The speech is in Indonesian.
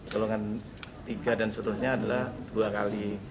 golongan tiga dan seterusnya adalah dua kali